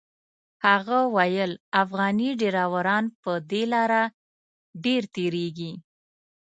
هغه ویل افغاني ډریوران په دې لاره ډېر تېرېږي.